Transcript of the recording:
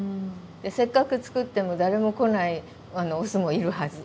せっかく作っても誰も来ないオスもいるはず。